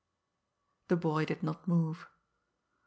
The boy did not move.